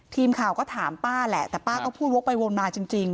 ทีมข่าวก็ถามป้าแหละแต่ป้าก็พูดวกไปวนมาจริง